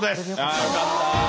あよかった。